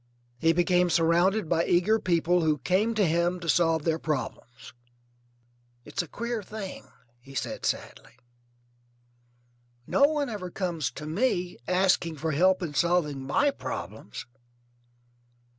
He became surrounded by eager people who came to him to solve their problems. "It's a queer thing," he said sadly; "no one ever comes to me asking for help in solving my problems."